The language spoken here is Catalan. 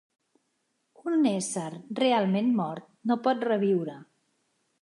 Un ésser realment mort no pot reviure.